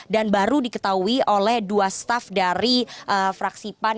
dan baru diketahui oleh dua staff dari fraksi pan